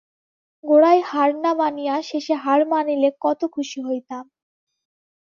গোড়ায় হার না মানিয়া শেষে হার মানিলে কত খুশি হইতাম।